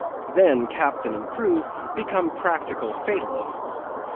Then Captain and crew become practical fatalists.